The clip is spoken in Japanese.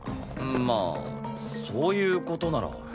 まあそういう事なら。